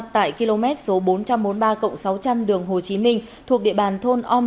tại km bốn trăm bốn mươi ba sáu trăm linh đường hồ chí minh thuộc địa bàn thôn âm